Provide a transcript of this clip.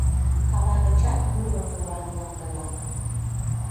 Кава гычат мурым мура мландылан.